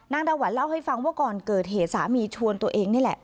นางดาหวันเล่าให้ฟังว่าก่อนเกิดเหตุสามีชวนตัวเองนี่แหละ